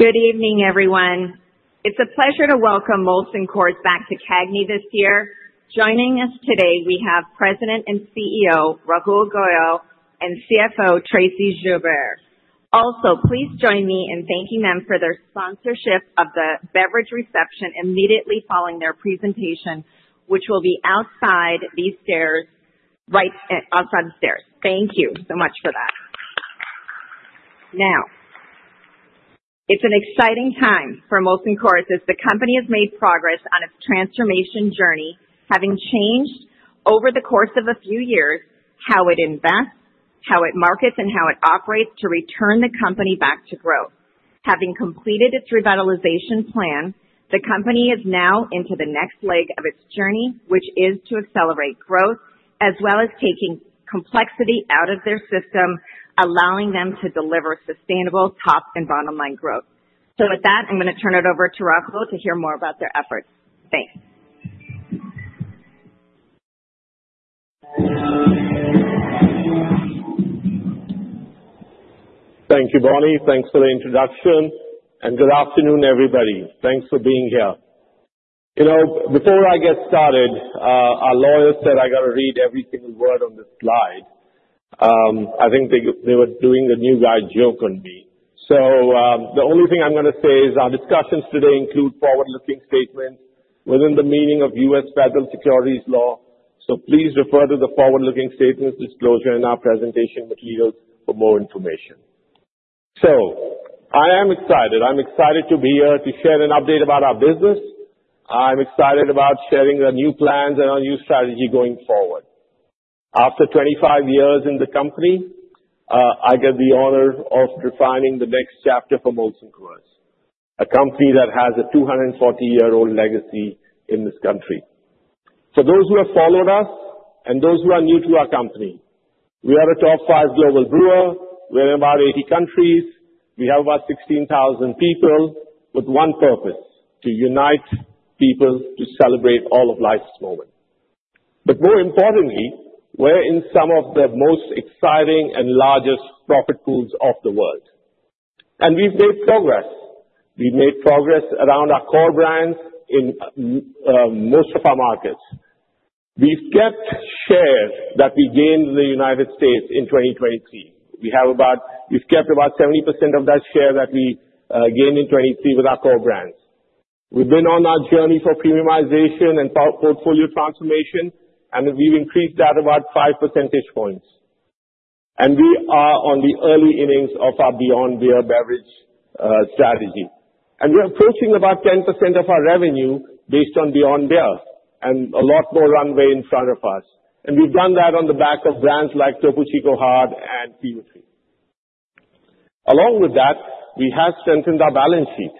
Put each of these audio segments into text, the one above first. Good evening, everyone. It's a pleasure to welcome Molson Coors back to CAGNY this year. Joining us today, we have President and CEO, Rahul Goyal, and CFO, Tracey Joubert. Also, please join me in thanking them for their sponsorship of the beverage reception immediately following their presentation, which will be outside these stairs, right at outside the stairs. Thank you so much for that. Now, it's an exciting time for Molson Coors as the company has made progress on its transformation journey, having changed over the course of a few years, how it invests, how it markets, and how it operates to return the company back to growth. Having completed its revitalization plan, the company is now into the next leg of its journey, which is to accelerate growth, as well as taking complexity out of their system, allowing them to deliver sustainable top and bottom line growth. With that, I'm gonna turn it over to Rahul to hear more about their efforts. Thanks. Thank you, Bonnie. Thanks for the introduction, and good afternoon, everybody. Thanks for being here. You know, before I get started, our lawyer said I got to read every single word on this slide. I think they were doing the new guy joke on me. So, the only thing I'm gonna say is our discussions today include forward-looking statements within the meaning of U.S. federal securities law. So please refer to the forward-looking statements disclosure in our presentation materials for more information. So I am excited. I'm excited to be here to share an update about our business. I'm excited about sharing the new plans and our new strategy going forward. After 25 years in the company, I get the honor of defining the next chapter for Molson Coors, a company that has a 240-year-old legacy in this country. For those who have followed us and those who are new to our company, we are a top 5 global brewer. We're in about 80 countries. We have about 16,000 people with one purpose: to unite people to celebrate all of life's moments. But more importantly, we're in some of the most exciting and largest profit pools of the world. We've made progress. We've made progress around our core brands in most of our markets. We've kept shares that we gained in the United States in 2023. We've kept about 70% of that share that we gained in 2023 with our core brands. We've been on our journey for premiumization and portfolio transformation, and we've increased that about 5 percentage points. We are on the early innings of our Beyond Beer beverage strategy. We're approaching about 10% of our revenue based on Beyond Beer and a lot more runway in front of us. We've done that on the back of brands like Topo Chico Hard and Peaty Feast. Along with that, we have strengthened our balance sheet.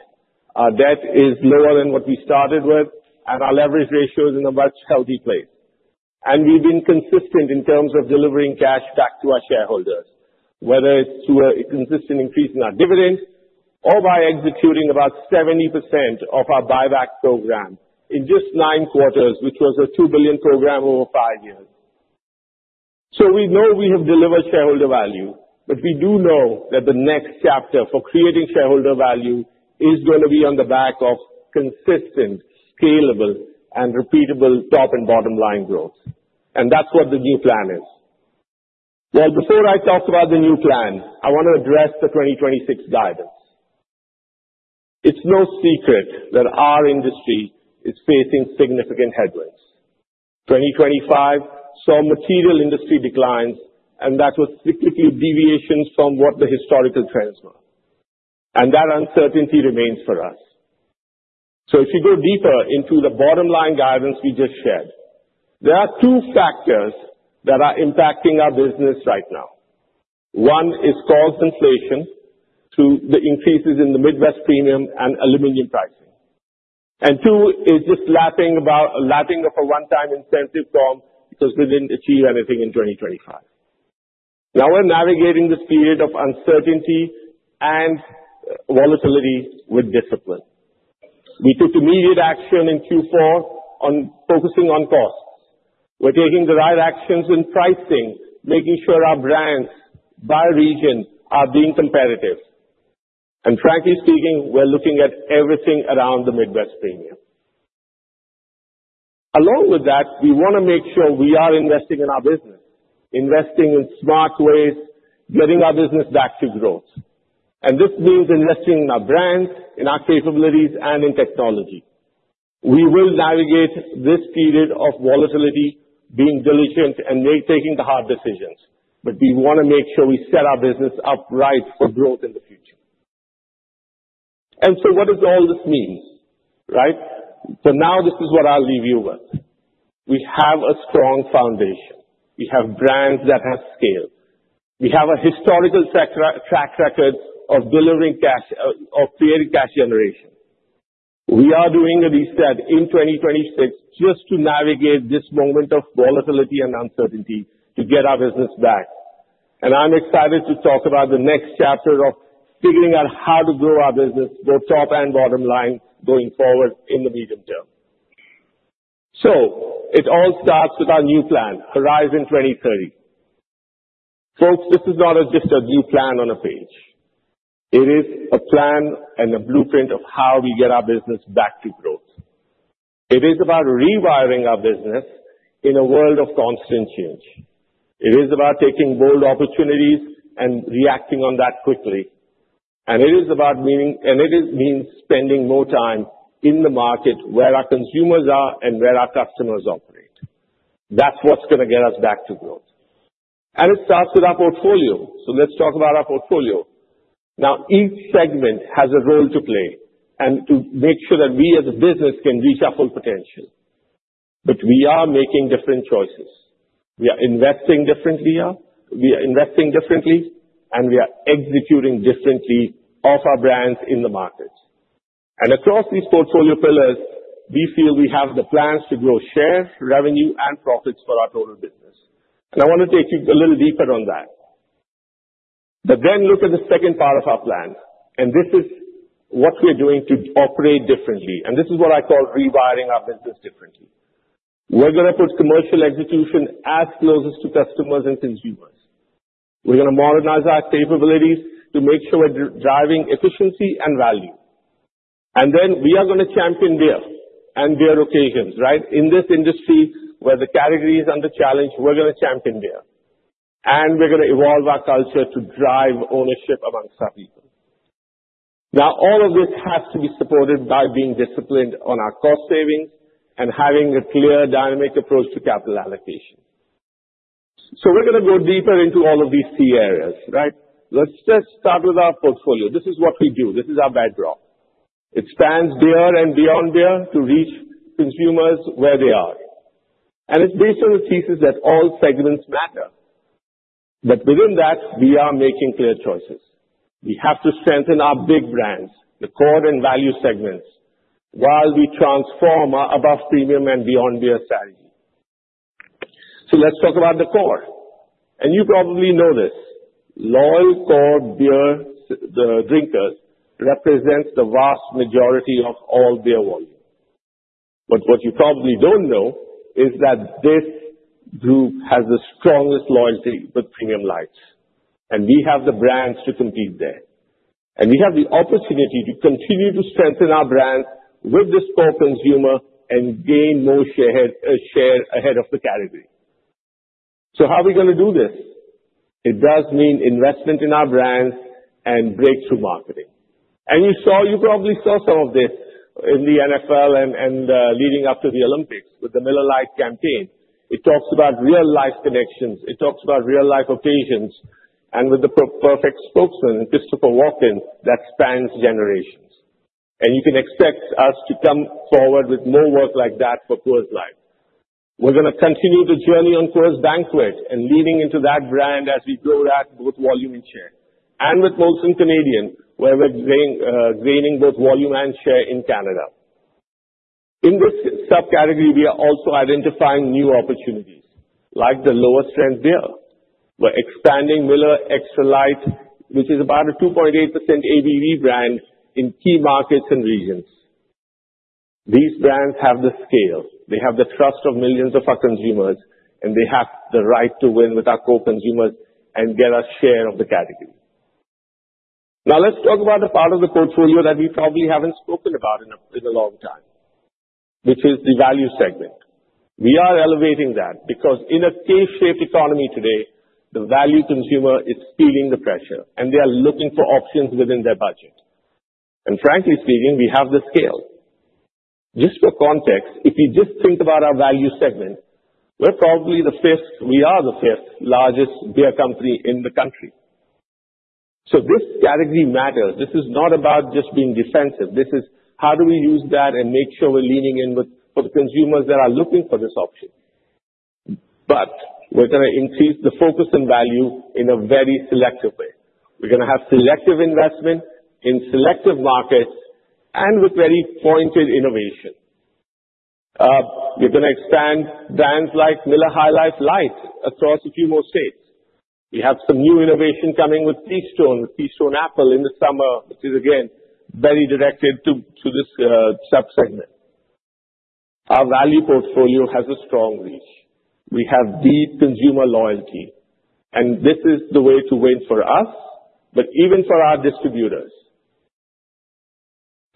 Our debt is lower than what we started with, and our leverage ratio is in a much healthier place. We've been consistent in terms of delivering cash back to our shareholders, whether it's through a consistent increase in our dividends or by executing about 70% of our buyback program in just 9 quarters, which was a $2 billion program over 5 years. So we know we have delivered shareholder value, but we do know that the next chapter for creating shareholder value is gonna be on the back of consistent, scalable, and repeatable top and bottom line growth. That's what the new plan is. Well, before I talk about the new plan, I want to address the 2026 guidance. It's no secret that our industry is facing significant headwinds. 2025 saw material industry declines, and that was significant deviations from what the historical trends were, and that uncertainty remains for us. If you go deeper into the bottom line guidance we just shared, there are two factors that are impacting our business right now. One is cost inflation to the increases in the Midwest Premium and aluminum pricing. And two is just lapping of a one-time incentive from... because we didn't achieve anything in 2025. Now we're navigating this period of uncertainty and volatility with discipline. We took immediate action in Q4 on focusing on costs. We're taking the right actions in pricing, making sure our brands by region are being competitive. And frankly speaking, we're looking at everything around the Midwest Premium. Along with that, we wanna make sure we are investing in our business, investing in smart ways, getting our business back to growth. And this means investing in our brands, in our capabilities, and in technology. We will navigate this period of volatility, being diligent and taking the hard decisions, but we wanna make sure we set our business up right for growth in the future. And so what does all this mean, right? So now this is what I'll leave you with: We have a strong foundation. We have brands that have scale. We have a historical track record of delivering cash, of creating cash generation. We are doing a reset in 2026 just to navigate this moment of volatility and uncertainty to get our business back. And I'm excited to talk about the next chapter of figuring out how to grow our business, both top and bottom line, going forward in the medium term.... So it all starts with our new plan, Horizon 2030. Folks, this is not just a new plan on a page. It is a plan and a blueprint of how we get our business back to growth. It is about rewiring our business in a world of constant change. It is about taking bold opportunities and reacting on that quickly. And it is about meaning-- and it is means spending more time in the market where our consumers are and where our customers operate. That's what's gonna get us back to growth, and it starts with our portfolio. So let's talk about our portfolio. Now, each segment has a role to play and to make sure that we, as a business, can reach our full potential. But we are making different choices. We are investing differently here. We are investing differently, and we are executing differently off our brands in the market. And across these portfolio pillars, we feel we have the plans to grow share, revenue, and profits for our total business. And I wanna take you a little deeper on that. But then look at the second part of our plan, and this is what we're doing to operate differently, and this is what I call rewiring our business differently. We're gonna put commercial execution as closest to customers and consumers. We're gonna modernize our capabilities to make sure we're driving efficiency and value. And then we are gonna champion beer and beer occasions, right? In this industry, where the category is under challenge, we're gonna champion beer, and we're gonna evolve our culture to drive ownership among our people. Now, all of this has to be supported by being disciplined on our cost savings and having a clear dynamic approach to capital allocation. We're gonna go deeper into all of these key areas, right? Let's just start with our portfolio. This is what we do. This is our backdrop. It spans beer and beyond beer to reach consumers where they are. And it's based on the thesis that all segments matter. But within that, we are making clear choices. We have to strengthen our big brands, the core and value segments, while we transform our above premium and beyond beer strategy. So let's talk about the core, and you probably know this, loyal core beer drinkers represents the vast majority of all beer volume. But what you probably don't know is that this group has the strongest loyalty with premium lights, and we have the brands to compete there. And we have the opportunity to continue to strengthen our brand with this core consumer and gain more share ahead of the category. So how are we gonna do this? It does mean investment in our brands and breakthrough marketing. And you saw... You probably saw some of this in the NFL and leading up to the Olympics with the Miller Lite campaign. It talks about real-life connections, it talks about real-life occasions, and with the perfect spokesman, Christopher Walken, that spans generations. You can expect us to come forward with more work like that for Coors Light. We're gonna continue the journey on Coors Banquet and leaning into that brand as we grow that both volume and share. With Molson Canadian, where we're gaining both volume and share in Canada. In this subcategory, we are also identifying new opportunities, like the lower-strength beer. We're expanding Miller Extra Light, which is about a 2.8% ABV brand in key markets and regions. These brands have the scale, they have the trust of millions of our consumers, and they have the right to win with our core consumers and get a share of the category. Now, let's talk about the part of the portfolio that we probably haven't spoken about in a long time, which is the value segment. We are elevating that because, in a safe shape economy today, the value consumer is feeling the pressure, and they are looking for options within their budget. And frankly speaking, we have the scale. Just for context, if you just think about our value segment, we're probably the fifth, we are the fifth largest beer company in the country. So this category matters. This is not about just being defensive. This is how do we use that and make sure we're leaning in with, for the consumers that are looking for this option. But we're gonna increase the focus and value in a very selective way. We're gonna have selective investment in selective markets and with very pointed innovation. We're gonna expand brands like Miller High Life Light across a few more states. We have some new innovation coming with Keystone, with Keystone Apple in the summer, which is again very directed to this subsegment. Our value portfolio has a strong reach. We have deep consumer loyalty, and this is the way to win for us, but even for our distributors.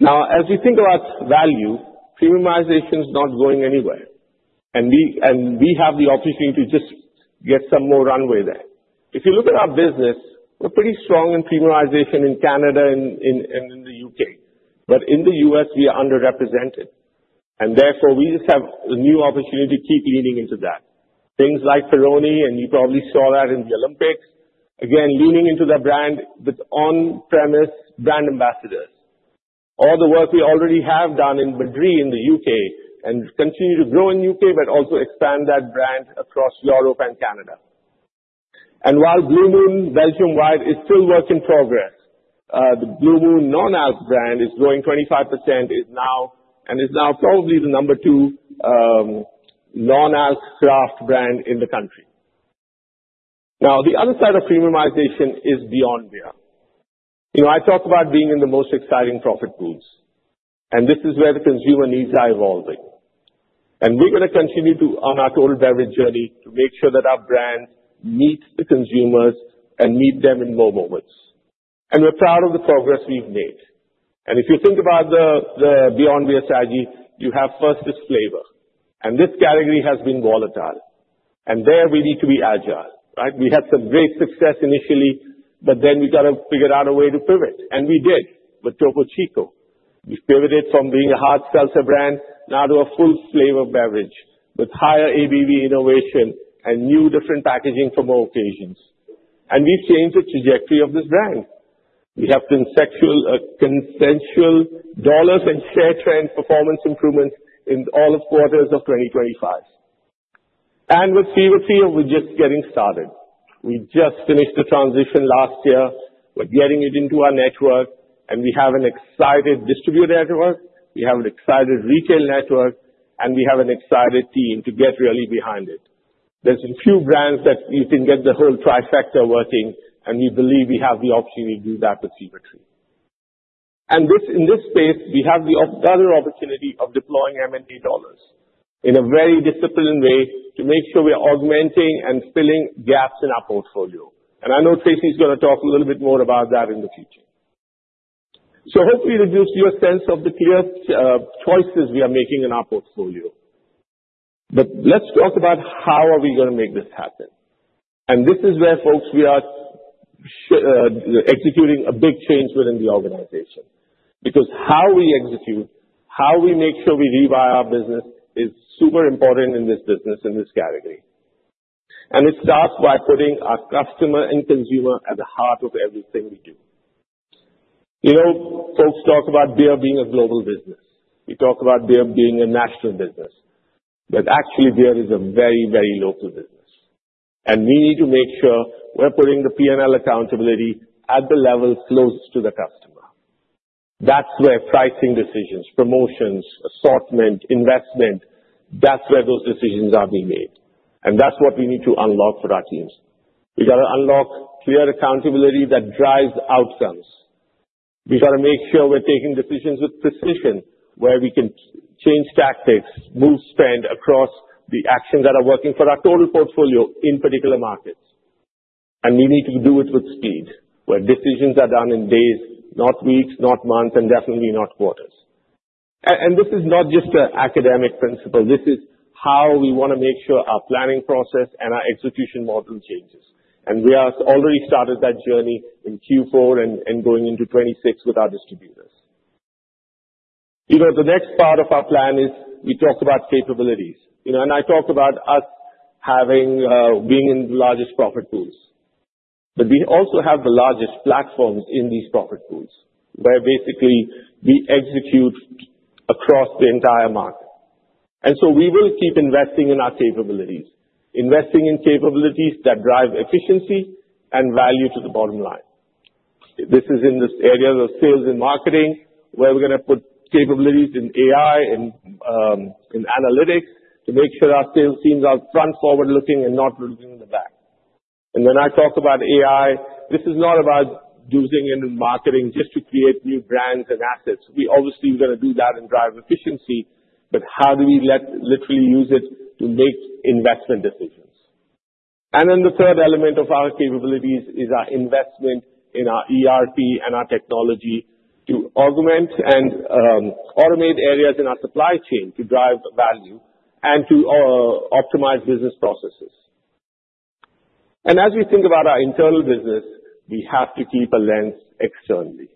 Now, as we think about value, premiumization is not going anywhere, and we have the opportunity to just get some more runway there. If you look at our business, we're pretty strong in premiumization in Canada and in the U.K. But in the U.S., we are underrepresented, and therefore, we just have a new opportunity to keep leaning into that. Things like Peroni, and you probably saw that in the Olympics. Again, leaning into the brand with on-premise brand ambassadors. All the work we already have done in Madrí, in the UK, and continue to grow in UK, but also expand that brand across Europe and Canada. And while Blue Moon Belgian White is still work in progress, the Blue Moon non-alc brand is growing 25% is now, and is now probably the number two non-alc craft brand in the country. Now, the other side of premiumization is beyond beer. You know, I talk about being in the most exciting profit pools, and this is where the consumer needs are evolving. And we're gonna continue to on our total beverage journey to make sure that our brand meets the consumers and meet them in more moments. And we're proud of the progress we've made. And if you think about the, the beyond beer strategy, you have first this flavor, and this category has been volatile. And there we need to be agile, right? We had some great success initially, but then we got to figure out a way to pivot, and we did with Topo Chico. We pivoted from being a hard seltzer brand now to a full flavor beverage, with higher ABV innovation and new different packaging for more occasions. And we've changed the trajectory of this brand. We have consecutive, consecutive dollars and share trend performance improvements in all quarters of 2025. And with Fever-Tree, we're just getting started. We just finished the transition last year. We're getting it into our network, and we have an excited distributor network, we have an excited retail network, and we have an excited team to get really behind it. There's a few brands that you can get the whole trifecta working, and we believe we have the opportunity to do that with Fever-Tree. And this, in this space, we have the other opportunity of deploying M&A dollars in a very disciplined way to make sure we are augmenting and filling gaps in our portfolio. And I know Tracey's gonna talk a little bit more about that in the future. So hopefully this gives you a sense of the clear choices we are making in our portfolio. But let's talk about how are we gonna make this happen. And this is where, folks, we are executing a big change within the organization. Because how we execute, how we make sure we revive our business, is super important in this business, in this category. It starts by putting our customer and consumer at the heart of everything we do. You know, folks talk about beer being a global business. We talk about beer being a national business, but actually beer is a very, very local business, and we need to make sure we're putting the P&L accountability at the level closest to the customer. That's where pricing decisions, promotions, assortment, investment, that's where those decisions are being made, and that's what we need to unlock for our teams. We gotta unlock clear accountability that drives outcomes. We've got to make sure we're taking decisions with precision, where we can change tactics, move, spend across the actions that are working for our total portfolio in particular markets. And we need to do it with speed, where decisions are done in days, not weeks, not months, and definitely not quarters. This is not just an academic principle. This is how we wanna make sure our planning process and our execution model changes. We have already started that journey in Q4 and going into 2026 with our distributors. You know, the next part of our plan is we talked about capabilities. You know, and I talked about us having, being in the largest profit pools. But we also have the largest platforms in these profit pools, where basically we execute across the entire market. And so we will keep investing in our capabilities, investing in capabilities that drive efficiency and value to the bottom line. This is in this area of sales and marketing, where we're gonna put capabilities in AI and in analytics to make sure our sales teams are front-forward looking and not looking in the back. When I talk about AI, this is not about using it in marketing just to create new brands and assets. We obviously are gonna do that and drive efficiency, but how do we literally use it to make investment decisions? And then the third element of our capabilities is our investment in our ERP and our technology to augment and automate areas in our supply chain to drive value and to optimize business processes. And as we think about our internal business, we have to keep a lens externally,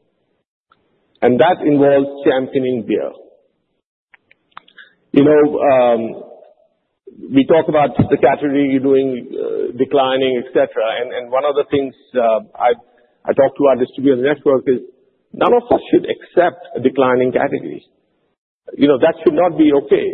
and that involves championing beer. You know, we talk about the category doing declining, et cetera. And one of the things I talk to our distributor network is none of us should accept a declining category. You know, that should not be okay.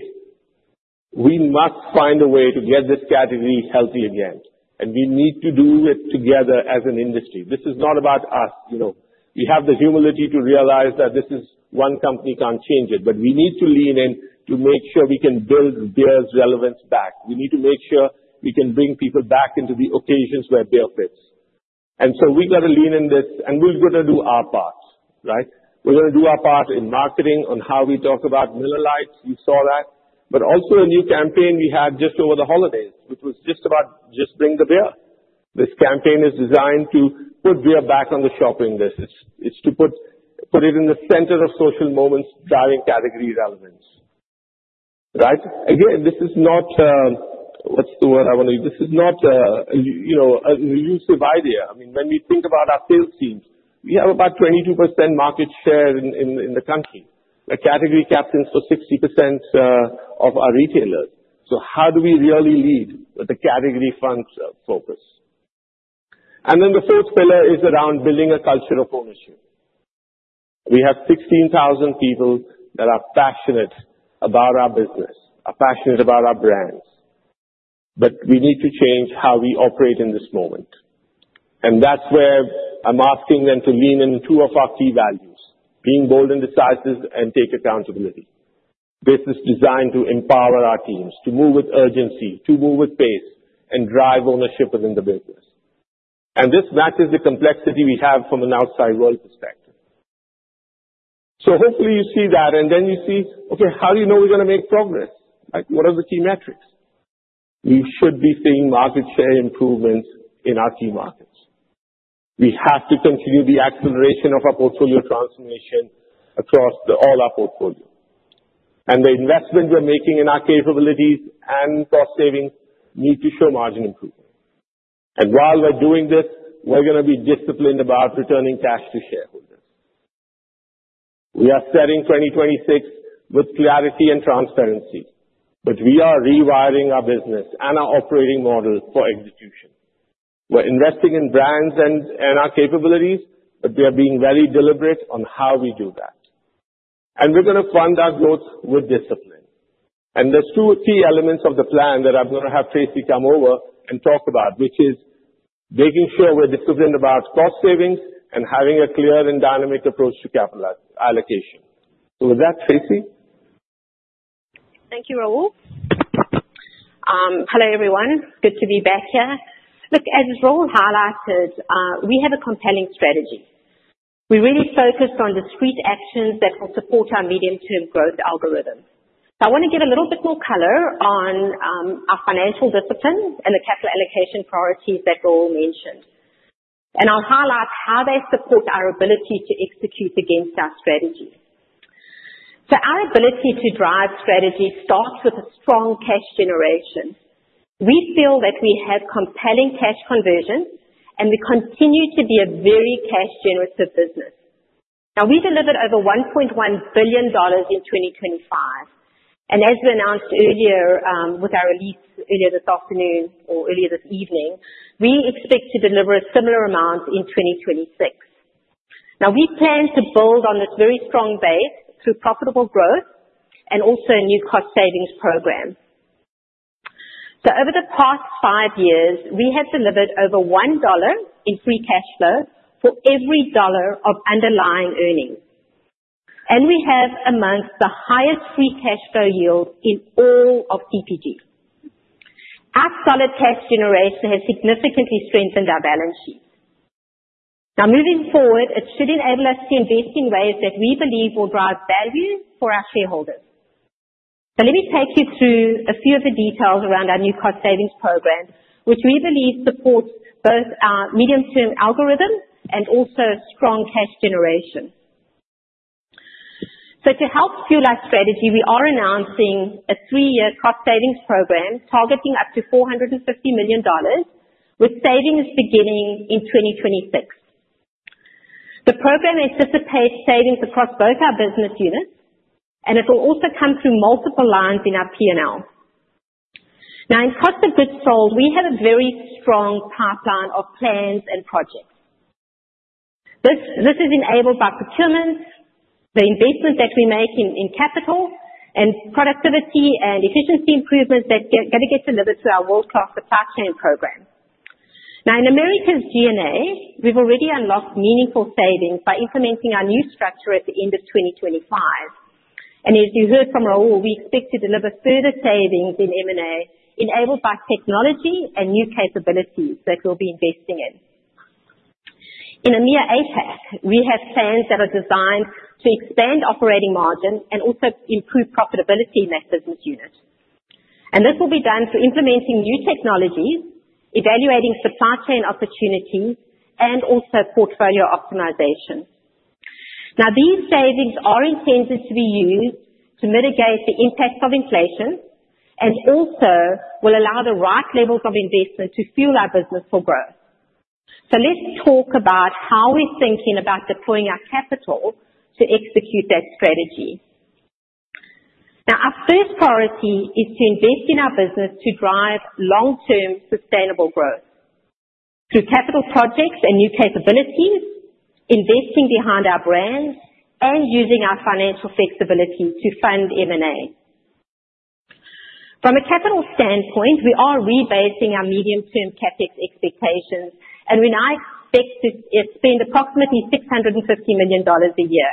We must find a way to get this category healthy again, and we need to do it together as an industry. This is not about us, you know. We have the humility to realize that this is... one company can't change it, but we need to lean in to make sure we can build beer's relevance back. We need to make sure we can bring people back into the occasions where beer fits. And so we got to lean in this, and we're gonna do our part, right? We're gonna do our part in marketing on how we talk about Miller Lite. You saw that. But also a new campaign we had just over the holidays, which was just about just bring the beer. This campaign is designed to put beer back on the shopping list. It's to put it in the center of social moments, driving category relevance. Right? Again, this is not what's the word I wanna use? This is not, you know, an elusive idea. I mean, when we think about our sales teams, we have about 22% market share in the country. The category captains for 60% of our retailers. So how do we really lead with a category front focus? And then the fourth pillar is around building a culture of ownership. We have 16,000 people that are passionate about our business, are passionate about our brands, but we need to change how we operate in this moment. And that's where I'm asking them to lean into two of our key values: being bold in decisions and take accountability. This is designed to empower our teams, to move with urgency, to move with pace, and drive ownership within the business. And this matches the complexity we have from an outside world perspective. So hopefully you see that, and then you see, okay, how do you know we're gonna make progress? Like, what are the key metrics? We should be seeing market share improvements in our key markets. We have to continue the acceleration of our portfolio transformation across all our portfolio. And the investment we're making in our capabilities and cost savings need to show margin improvement. And while we're doing this, we're gonna be disciplined about returning cash to shareholders. We are setting 2026 with clarity and transparency, but we are rewiring our business and our operating model for execution. We're investing in brands and our capabilities, but we are being very deliberate on how we do that. We're gonna fund our growth with discipline. There's two key elements of the plan that I'm gonna have Tracey come over and talk about, which is making sure we're disciplined about cost savings and having a clear and dynamic approach to capital allocation. With that, Tracey? Thank you, Rahul. Hello, everyone. Good to be back here. Look, as Rahul highlighted, we have a compelling strategy. We're really focused on discrete actions that will support our medium-term growth algorithm. So I wanna give a little bit more color on our financial discipline and the capital allocation priorities that Rahul mentioned. And I'll highlight how they support our ability to execute against our strategy. So our ability to drive strategy starts with a strong cash generation. We feel that we have compelling cash conversion, and we continue to be a very cash-generative business. Now, we delivered over $1.1 billion in 2025, and as we announced earlier, with our release earlier this afternoon or earlier this evening, we expect to deliver a similar amount in 2026. Now, we plan to build on this very strong base through profitable growth and also a new cost savings program. So over the past 5 years, we have delivered over $1 in free cash flow for every $1 of underlying earnings, and we have amongst the highest free cash flow yield in all of CPG. Our solid cash generation has significantly strengthened our balance sheet. Now, moving forward, it should enable us to invest in ways that we believe will drive value for our shareholders. So let me take you through a few of the details around our new cost savings program, which we believe supports both our medium-term algorithm and also strong cash generation. So to help fuel our strategy, we are announcing a 3-year cost savings program targeting up to $450 million, with savings beginning in 2026. The program anticipates savings across both our business units, and it'll also come through multiple lines in our P&L. Now, in cost of goods sold, we have a very strong pipeline of plans and projects. This is enabled by procurement, the investment that we make in capital, and productivity and efficiency improvements that gonna get delivered through our world-class supply chain program. Now, in Americas DNA, we've already unlocked meaningful savings by implementing our new structure at the end of 2025. And as you heard from Rahul, we expect to deliver further savings in M&A, enabled by technology and new capabilities that we'll be investing in. In EMEA, APAC, we have plans that are designed to expand operating margin and also improve profitability in that business unit. This will be done through implementing new technologies, evaluating supply chain opportunities, and also portfolio optimization. Now, these savings are intended to be used to mitigate the impact of inflation, and also will allow the right levels of investment to fuel our business for growth. So let's talk about how we're thinking about deploying our capital to execute that strategy. Now, our first priority is to invest in our business to drive long-term sustainable growth through capital projects and new capabilities, investing behind our brands, and using our financial flexibility to fund M&A. From a capital standpoint, we are rebasing our medium-term CapEx expectations, and we now expect to spend approximately $650 million a year.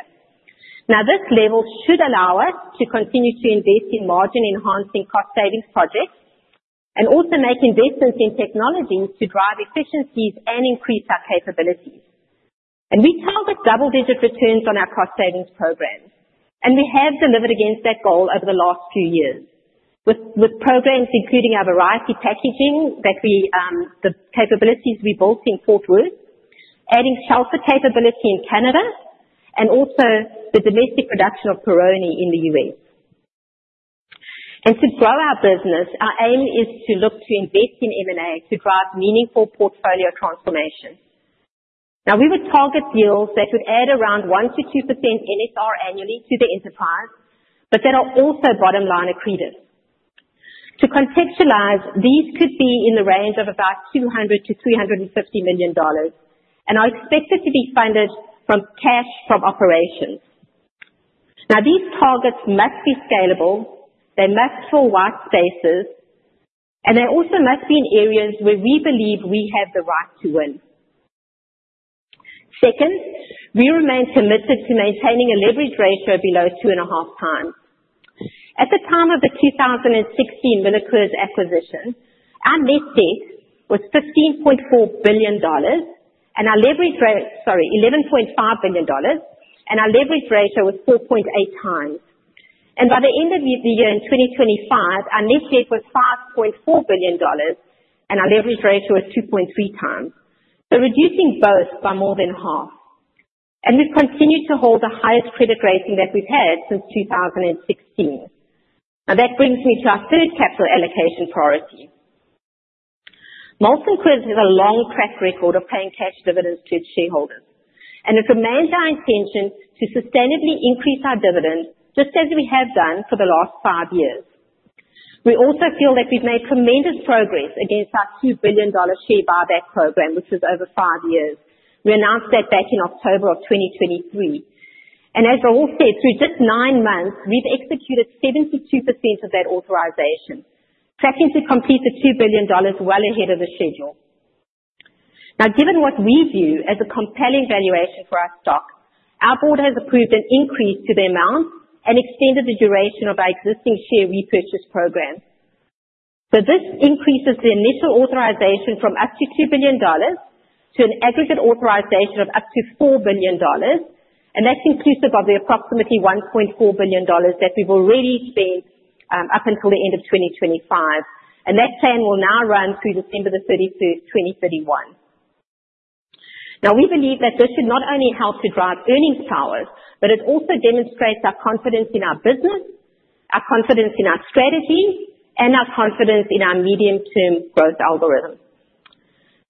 Now, this level should allow us to continue to invest in margin-enhancing cost savings projects, and also make investments in technologies to drive efficiencies and increase our capabilities. And we target double-digit returns on our cost savings programs, and we have delivered against that goal over the last few years with programs including our variety packaging that we, the capabilities we built in Fort Worth, adding seltzer capability in Canada, and also the domestic production of Peroni in the U.S. And to grow our business, our aim is to look to invest in M&A to drive meaningful portfolio transformation. Now, we would target deals that would add around 1%-2% NSR annually to the enterprise, but that are also bottom line accretive. To contextualize, these could be in the range of about $200 million-$350 million, and are expected to be funded from cash from operations. Now, these targets must be scalable, they must fill white spaces, and they also must be in areas where we believe we have the right to win. Second, we remain committed to maintaining a leverage ratio below 2.5 times. At the time of the 2016 MillerCoors acquisition, our net debt was $11.5 billion, and our leverage ratio was 4.8 times. By the end of the year, in 2025, our net debt was $5.4 billion, and our leverage ratio was 2.3 times. So reducing both by more than half. We've continued to hold the highest credit rating that we've had since 2016. Now, that brings me to our third capital allocation priority. Molson Coors has a long track record of paying cash dividends to its shareholders, and it remains our intention to sustainably increase our dividends, just as we have done for the last five years. We also feel that we've made tremendous progress against our $2 billion share buyback program, which is over five years. We announced that back in October 2023. And as Rahul said, through just nine months, we've executed 72% of that authorization, tracking to complete the $2 billion well ahead of the schedule. Now, given what we view as a compelling valuation for our stock, our board has approved an increase to the amount and extended the duration of our existing share repurchase program. So this increases the initial authorization from up to $2 billion to an aggregate authorization of up to $4 billion, and that's inclusive of the approximately $1.4 billion that we've already spent, up until the end of 2025. And that plan will now run through December 31, 2031. Now, we believe that this should not only help to drive earnings power, but it also demonstrates our confidence in our business, our confidence in our strategy, and our confidence in our medium-term growth algorithm.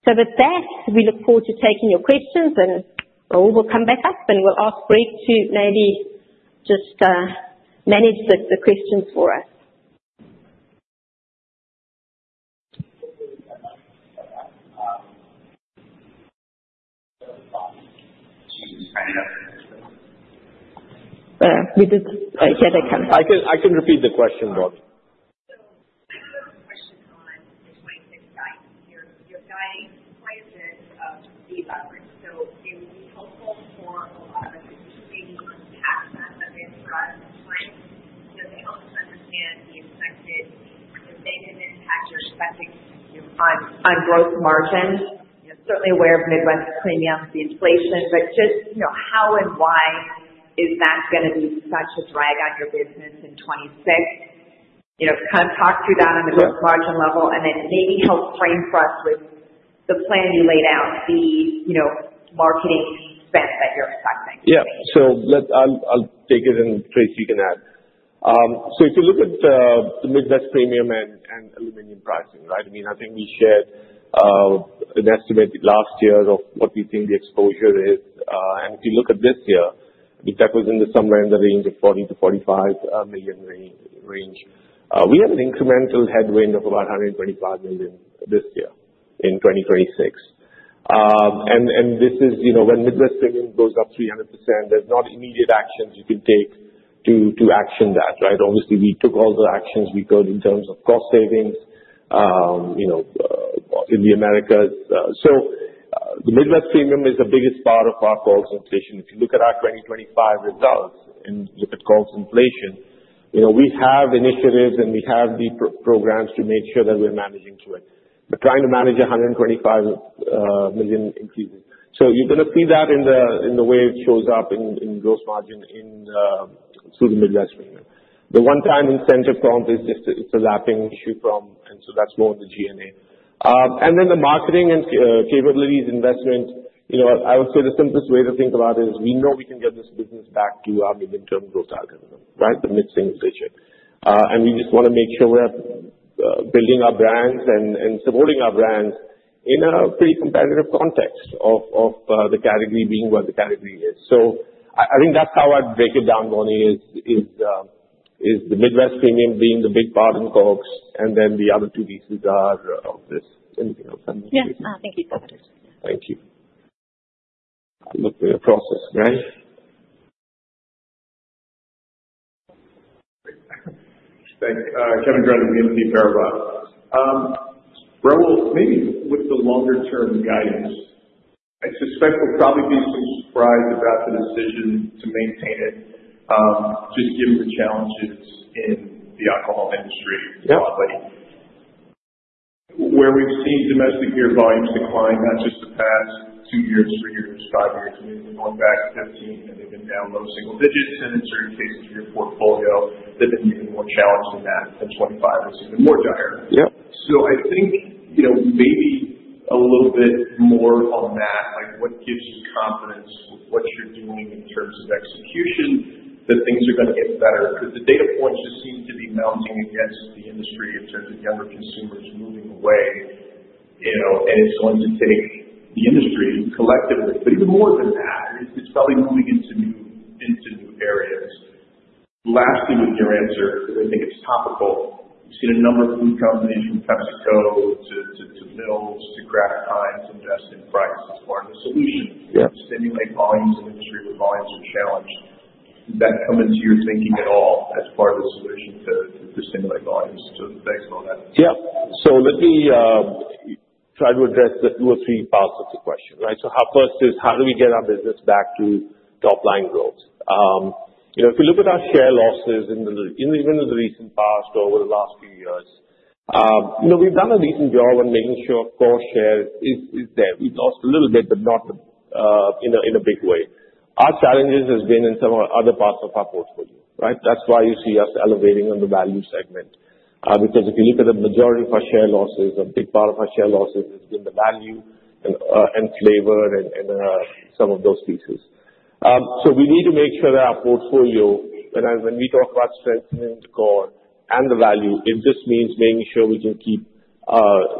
So with that, we look forward to taking your questions, and Rahul will come back up, and we'll ask Greg to maybe just manage the questions for us. Here they come. I can, I can repeat the question, Bob. So my first question on 2026 guidance. You're guiding quite a bit above the average, so it would be helpful for a lot of us maybe to unpack that a bit for us. You know, we don't understand the expected impact or effect you're expecting on growth margins. You're certainly aware of Midwest Premium, the inflation, but just, you know, how and why is that gonna be such a drag on your business in 2026? You know, kind of talk through that on the gross margin level, and then maybe help frame for us with the plan you laid out, the, you know, marketing spend that you're expecting. So let's... I'll take it, and, Tracey, you can add. So if you look at, the Midwest Premium and aluminum pricing, right? I mean, I think we shared, an estimate last year of what we think the exposure is. And if you look at this year, I think that was in the somewhere in the range of $40 million-$45 million range. We have an incremental headwind of about $125 million this year, in 2026. And this is, you know, when Midwest Premium goes up 300%, there's not immediate actions you can take to action that, right? Obviously, we took all the actions we could in terms of cost savings, you know, in the Americas. So, the Midwest Premium is the biggest part of our core inflation. If you look at our 2025 results and look at core inflation, you know, we have initiatives, and we have the programs to make sure that we're managing to it. But trying to manage $125 million increases. So you're gonna see that in the way it shows up in gross margin through the Midwest region. The one-time incentive prompt is just, it's a lapping issue from, and so that's more of the GA. And then the marketing and capabilities investment, you know, I would say the simplest way to think about it is, we know we can get this business back to our medium-term growth algorithm, right? The mixing ratio. And we just wanna make sure we're building our brands and supporting our brands in a pretty competitive context of the category being what the category is. So I think that's how I'd break it down, Bonnie, is the Midwest Premium being the big part in COGS, and then the other two pieces are of this. Anything else? Yeah. Thank you. Thank you. Looking at the process, Randy? Thanks. Kevin Drummond, BMO Capital Markets. Rahul, maybe with the longer-term guidance, I suspect we'll probably be surprised about the decision to maintain it, just given the challenges in the alcohol industry- Yep. Where we've seen domestic beer volumes decline, not just the past 2 years, 3 years, 5 years. I mean, going back to 2015, and they've been down low single digits, and in certain cases, your portfolio has been even more challenged than that, and 2025 is even more dire. Yep. So I think, you know, maybe a little bit more on that, like, what gives you confidence with what you're doing in terms of execution, that things are gonna get better? Because the data points just seem to be mounting against the industry in terms of younger consumers moving away, you know, and it's going to take the industry collectively, but even more than that, it's, it's probably moving into new, into new areas.... Lastly, with your answer, because I think it's topical. We've seen a number of food companies, from PepsiCo, to, to, to General Mills, to Kraft Heinz, invest in prices as part of the solution- Yeah. to stimulate volumes in an industry where volumes are challenged. Does that come into your thinking at all as part of the solution to stimulate volumes to based on that? Yeah. So let me try to address the two or three parts of the question, right? So first is, how do we get our business back to top line growth? You know, if you look at our share losses in even in the recent past, over the last few years, you know, we've done a decent job on making sure core share is there. We've lost a little bit, but not in a big way. Our challenges has been in some of our other parts of our portfolio, right? That's why you see us elevating on the value segment. Because if you look at the majority of our share losses, a big part of our share losses is in the value and flavor and some of those pieces. So we need to make sure that our portfolio, when we talk about strengthening the core and the value, it just means making sure we can keep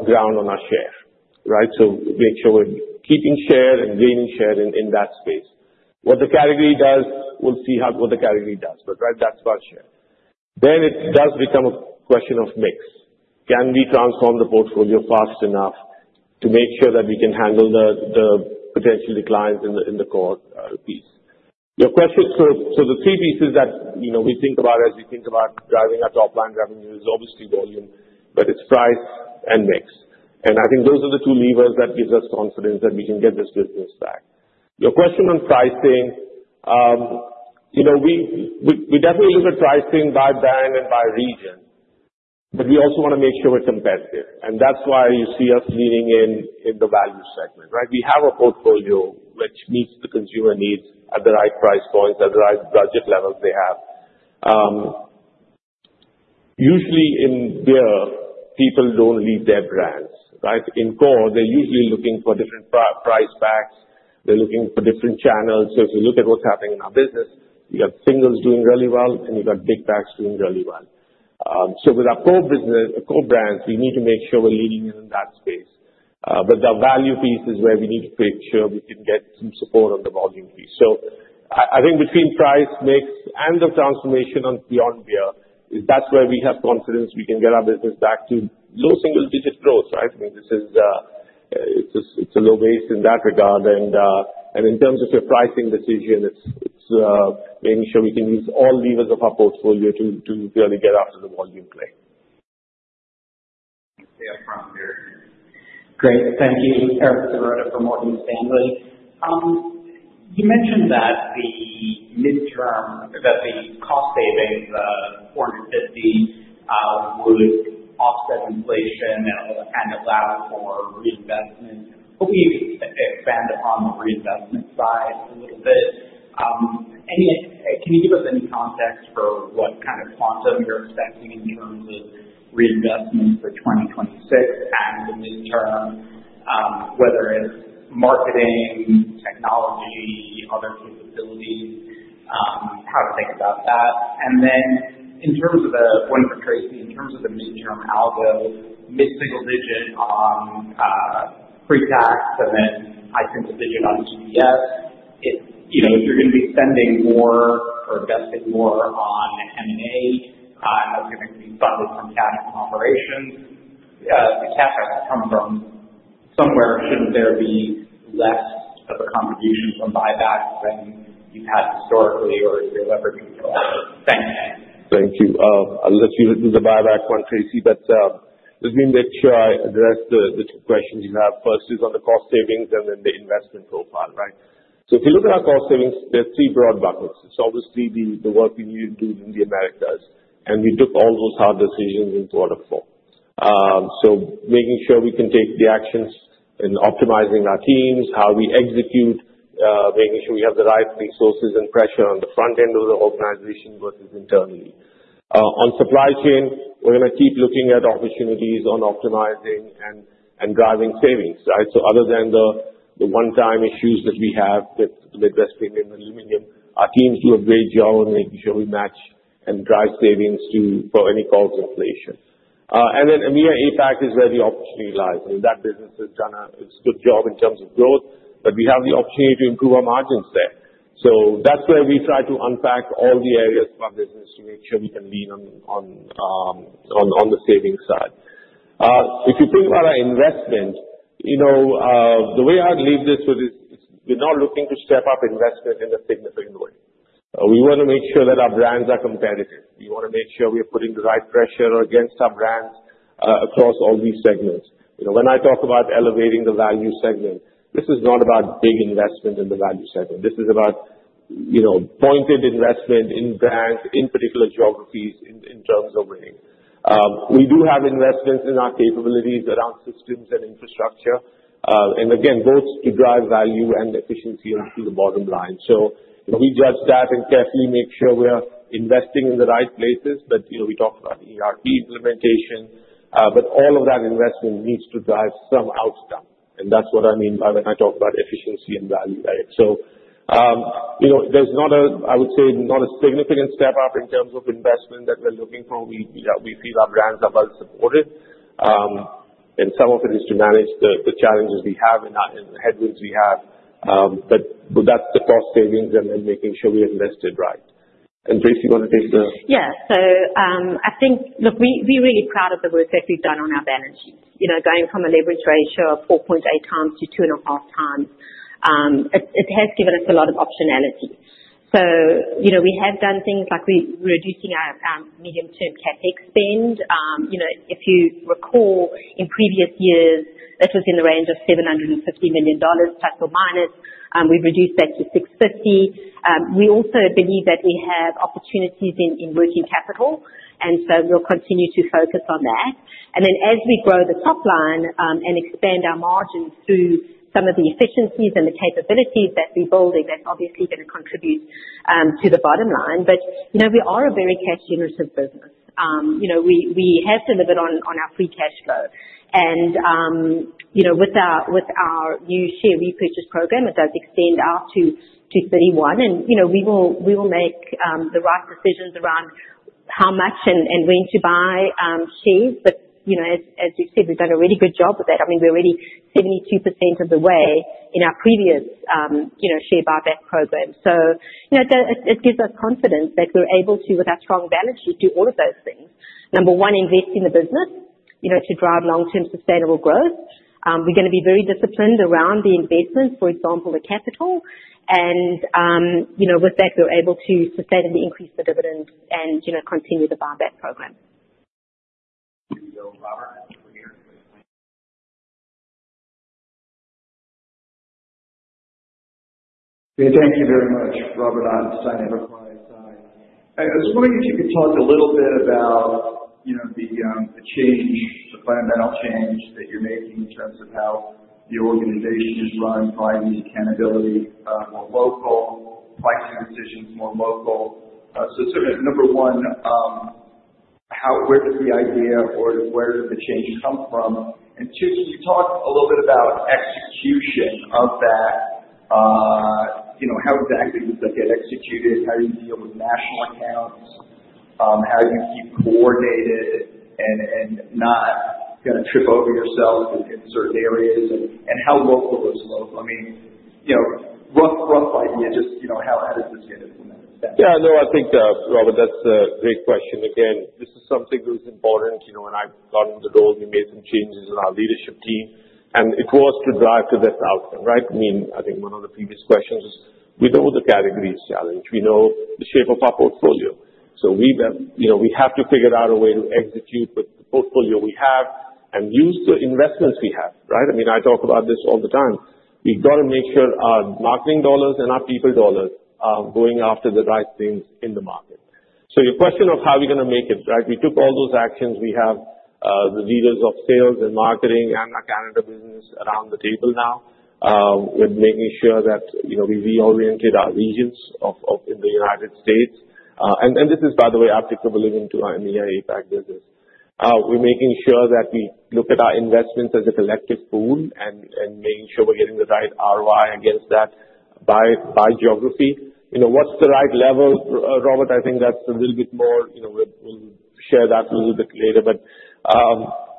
ground on our share, right? So making sure we're keeping share and gaining share in that space. What the category does, we'll see what the category does, but right, that's our share. Then it does become a question of mix. Can we transform the portfolio fast enough to make sure that we can handle the potential declines in the core piece? Your question, so the three pieces that, you know, we think about as we think about driving our top line revenue is obviously volume, but it's price and mix. And I think those are the two levers that gives us confidence that we can get this business back. Your question on pricing, you know, we definitely look at pricing by brand and by region, but we also wanna make sure we're competitive. That's why you see us leaning in the value segment, right? We have a portfolio which meets the consumer needs at the right price points, at the right budget levels they have. Usually in beer, people don't leave their brands, right? In core, they're usually looking for different price packs, they're looking for different channels. So if you look at what's happening in our business, we have singles doing really well, and we've got big packs doing really well. So with our core business, our core brands, we need to make sure we're leading in that space. But the value piece is where we need to make sure we can get some support on the volume piece. So I think between price, mix, and the transformation on Beyond Beer, that's where we have confidence we can get our business back to low single digit growth, right? I mean, this is, it's a low base in that regard. And in terms of your pricing decision, it's making sure we can use all levers of our portfolio to really get after the volume play. Yeah, from here. Great. Thank you. Eric Serotta from Morgan Stanley. You mentioned that the midterm, that the cost savings $450 would offset inflation and allow for reinvestment. Hope you could expand upon the reinvestment side a little bit. Can you give us any context for what kind of quantum you're expecting in terms of reinvestment for 2026 at the midterm, whether it's marketing, technology, other capabilities, how to think about that? And then in terms of the, one for Tracey, in terms of the midterm outlook, mid-single-digit on pre-tax and then high-single-digit on EPS, it's, you know, if you're gonna be spending more or investing more on M&A, that's gonna be funded from cash operations. The cash has to come from somewhere. Shouldn't there be less of a contribution from buybacks than you've had historically, or is your leveraging for that? Thanks. Thank you. I'll let you do the buyback one, Tracey, but let me make sure I address the two questions you have. First is on the cost savings and then the investment profile, right? So if you look at our cost savings, there are three broad buckets. It's obviously the work we need to do in the Americas, and we took all those hard decisions in quarter four. So making sure we can take the actions in optimizing our teams, how we execute, making sure we have the right resources and pressure on the front end of the organization versus internally. On supply chain, we're gonna keep looking at opportunities on optimizing and driving savings, right? So other than the one-time issues that we have with wrestling in aluminum, our teams do a great job on making sure we match and drive savings to for any cost inflation. And then EMEA, APAC is where the opportunity lies. So that business has done a good job in terms of growth, but we have the opportunity to improve our margins there. So that's where we try to unpack all the areas of our business to make sure we can lean on the savings side. If you think about our investment, you know, the way I'd leave this with is, we're not looking to step up investment in a significant way. We wanna make sure that our brands are competitive. We wanna make sure we're putting the right pressure against our brands across all these segments. You know, when I talk about elevating the value segment, this is not about big investment in the value segment. This is about, you know, pointed investment in brands, in particular geographies, in, in terms of winning. We do have investments in our capabilities around systems and infrastructure, and again, both to drive value and efficiency into the bottom line. So we judge that and carefully make sure we're investing in the right places. But, you know, we talked about ERP implementation, but all of that investment needs to drive some outcome. And that's what I mean by when I talk about efficiency and value, right? So, you know, there's not a, I would say, not a significant step up in terms of investment that we're looking for. We, we feel our brands are well supported. And some of it is to manage the challenges we have and the headwinds we have. But that's the cost savings and making sure we invested right. And Tracey, you want to take the- Yeah. So, I think, look, we, we're really proud of the work that we've done on our balance sheet. You know, going from a leverage ratio of 4.8 times to 2.5 times, it has given us a lot of optionality. So, you know, we have done things like re-reducing our medium-term CapEx spend. You know, if you recall, in previous years, this was in the range of $750 million, plus or minus. We've reduced that to $650 million. We also believe that we have opportunities in working capital, and so we'll continue to focus on that. And then as we grow the top line and expand our margins through some of the efficiencies and the capabilities that we're building, that's obviously going to contribute to the bottom line. But, you know, we are a very cash generative business. You know, we have delivered on our free cash flow. And, you know, with our new share repurchase program, it does extend out to 2031. And, you know, we will make the right decisions around how much and when to buy shares. But, you know, as you've said, we've done a really good job with that. I mean, we're already 72% of the way in our previous, you know, share buyback program. So, you know, it gives us confidence that we're able to, with our strong balance sheet, do all of those things. Number one, invest in the business, you know, to drive long-term sustainable growth. We're gonna be very disciplined around the investments, for example, the capital and, you know, with that, we're able to sustainably increase the dividend and, you know, continue the buyback program. So Robert, over to you. Yeah, thank you very much. Robert on the sales side. I was wondering if you could talk a little bit about, you know, the change, the fundamental change that you're making in terms of how the organization is run by the accountability, more local, pricing decisions more local. So sort of number one, how, where did the idea or where did the change come from? And two, can you talk a little bit about execution of that? You know, how exactly does that get executed? How do you deal with national accounts? How do you keep coordinated and not gonna trip over yourself in certain areas? And how local is local? I mean, you know, rough idea, just, you know, how has this been implemented? Yeah, no, I think, Robert, that's a great question. Again, this is something that was important, you know, and I got on board, we made some changes in our leadership team, and it was to drive to this outcome, right? I mean, I think one of the previous questions is, we know the category is challenged. We know the shape of our portfolio. So we've got... You know, we have to figure out a way to execute the portfolio we have and use the investments we have, right? I mean, I talk about this all the time. We've got to make sure our marketing dollars and our people dollars are going after the right things in the market. So your question of how are we going to make it, right? We took all those actions. We have the leaders of sales and marketing and our Canada business around the table now. We're making sure that, you know, we reoriented our regions of, of in the United States. And this is, by the way, applicable into our EMEA/APAC business. We're making sure that we look at our investments as a collective pool and making sure we're getting the right ROI against that by geography. You know, what's the right level, R-Robert, I think that's a little bit more, you know, we'll share that a little bit later. But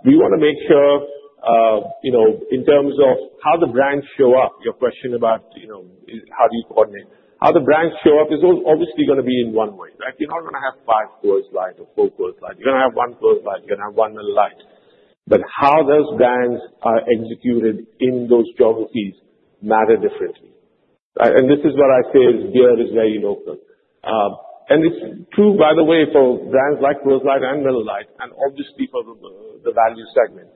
we want to make sure, you know, in terms of how the brands show up, your question about, you know, is how do you coordinate? How the brands show up is obviously going to be in one way, right? You're not going to have 5 in Coors Light or 4 Coors Light. You're gonna have 1 Coors Light, you're gonna have 1 light. But how those brands are executed in those geographies matter differently, right? And this is what I say is beer is very local. And it's true, by the way, for brands like Coors Light and Miller Lite and obviously for the value segment.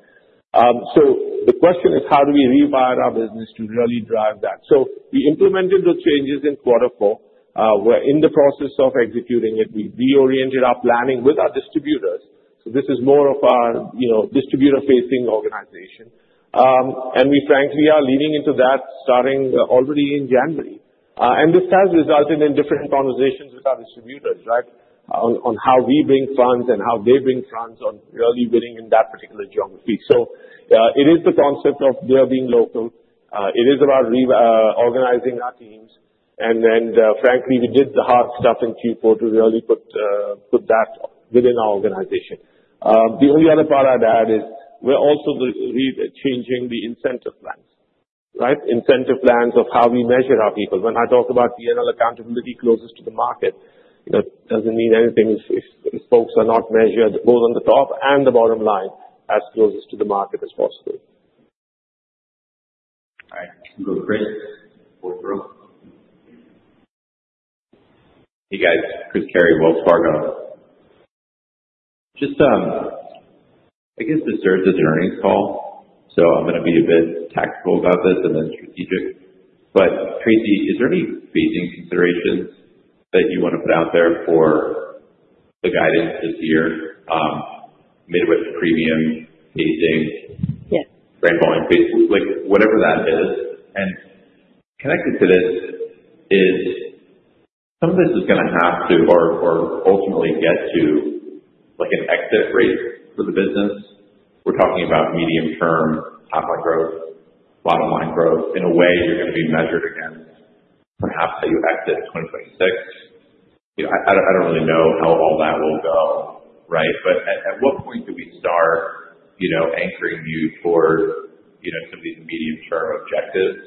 So the question is: How do we rewire our business to really drive that? So we implemented the changes in quarter four. We're in the process of executing it. We reoriented our planning with our distributors. So this is more of our, you know, distributor-facing organization. And we frankly are leaning into that, starting already in January. And this has resulted in different conversations with our distributors, right? On how we bring funds and how they bring funds on really winning in that particular geography. So, it is the concept of we are being local. It is about reorganizing our teams. And then, frankly, we did the hard stuff in Q4 to really put that within our organization. The only other part I'd add is we're also therefore changing the incentive plans, right? Incentive plans of how we measure our people. When I talk about P&L accountability close to the market, that doesn't mean anything if folks are not measured both on the top and the bottom line, as close to the market as possible. All right. Go, Chris, Wells Fargo. Hey, guys. Chris Carey, Wells Fargo. Just, I guess this serves as an earnings call, so I'm gonna be a bit tactical about this and then strategic. But Tracey, is there any phasing considerations that you want to put out there for the guidance this year? Midwest Premium pacing- Yeah. Brand volume pace, like, whatever that is. And connected to this is... Some of this is gonna have to or ultimately get to, like, an exit rate for the business. We're talking about medium-term, top line growth, bottom line growth. In a way, you're gonna be measured against perhaps how you exit 2026.... Yeah, I don't really know how all that will go, right? But at what point do we start, you know, anchoring you towards, you know, some of these medium-term objectives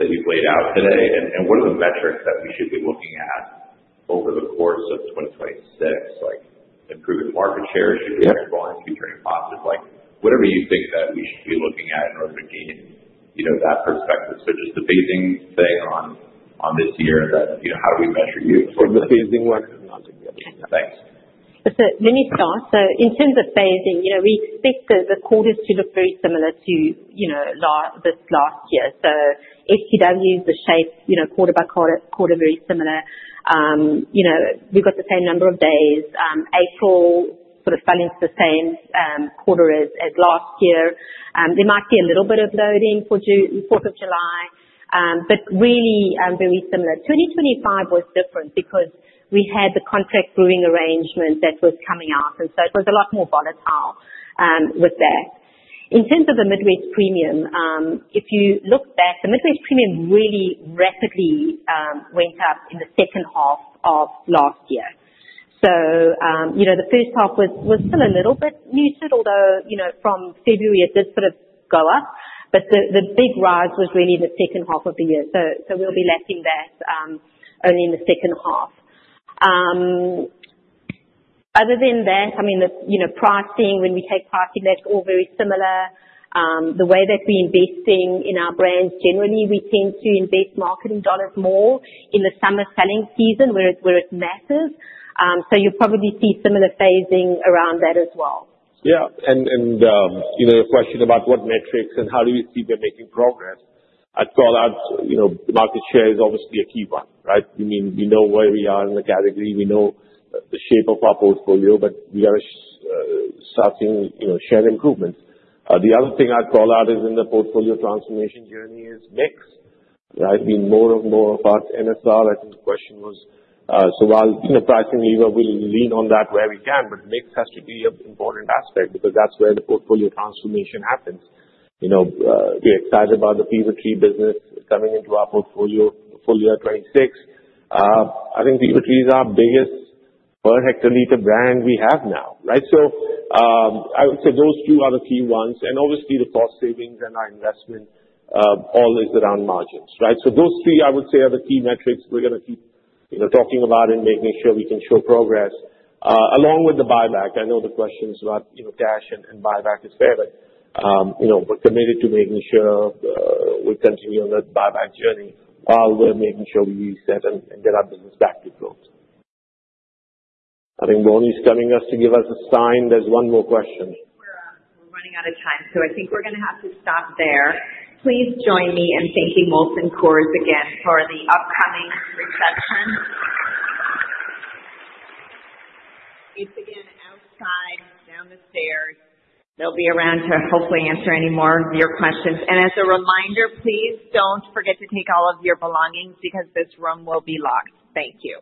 that you've laid out today? And what are the metrics that we should be looking at over the course of 2026, like improved market share? Should we have growing Q-trading profits? Like, what do you think that we should be looking at in order to gain, you know, that perspective? Just the phasing thing on this year, you know, how do we measure you- For the phasing work? Thanks. So let me start. So in terms of phasing, you know, we expect the quarters to look very similar to, you know, last year. So STW, the shape, you know, quarter by quarter, very similar. You know, we've got the same number of days. April sort of follows the same quarter as last year. There might be a little bit of loading for Fourth of July, but really, very similar. 2025 was different because we had the contract brewing arrangement that was coming up, and so it was a lot more volatile with that. In terms of the Midwest premium, if you look back, the Midwest premium really rapidly went up in the second half of last year. So, you know, the first half was still a little bit muted, although, you know, from February it did sort of go up. But the big rise was really the second half of the year. So we'll be lacking that only in the second half. Other than that, I mean, the, you know, pricing, when we take pricing, that's all very similar. The way that we're investing in our brands, generally, we tend to invest marketing dollars more in the summer selling season, where it matters. So you'll probably see similar phasing around that as well. Yeah. And, you know, a question about what metrics and how do you see they're making progress? I'd call out, you know, market share is obviously a key one, right? I mean, we know where we are in the category, we know the shape of our portfolio, but we are starting, you know, share improvements. The other thing I'd call out is in the portfolio transformation journey is mix, right? I mean, more and more of our NFR. I think the question was, so while surprisingly, well, we lean on that where we can, but mix has to be an important aspect because that's where the portfolio transformation happens. You know, we're excited about the Fever-Tree business coming into our portfolio, full year 2026. I think Fever-Tree is our biggest per hectoliter brand we have now, right? So, I would say those two are the key ones, and obviously the cost savings and our investment, all is around margins, right? So those three, I would say, are the key metrics we're gonna keep, you know, talking about and making sure we can show progress, along with the buyback. I know the questions about, you know, cash and, and buyback is fair, but, you know, we're committed to making sure, we continue on that buyback journey while we're making sure we use that and get our business back to growth. I think Bonnie's telling us to give us a sign. There's one more question. We're, we're running out of time, so I think we're gonna have to stop there. Please join me in thanking Molson Coors again for the upcoming reception. It's again outside, down the stairs. They'll be around to hopefully answer any more of your questions. As a reminder, please don't forget to take all of your belongings because this room will be locked. Thank you.